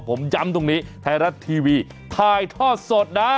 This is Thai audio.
ผมย้ำตรงนี้ไทยรัฐทีวีถ่ายทอดสดนะ